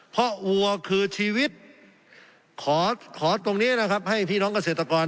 เพราะวัวคือชีวิตขอตรงนี้นะครับให้พี่น้องเกษตรกร